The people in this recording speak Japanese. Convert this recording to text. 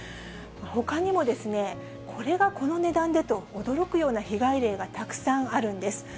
ほかにもですね、これがこの値段で？と驚くような被害例がたくさんあるんです。